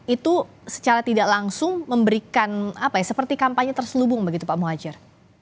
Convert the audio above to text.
itu secara tidak langsung memberikan seperti kampanye terselubung begitu pak muhajir